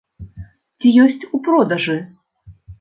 Ці ёсць у продажы?